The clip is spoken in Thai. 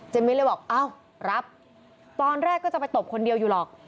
มิ้นเลยบอกอ้าวรับตอนแรกก็จะไปตบคนเดียวอยู่หรอก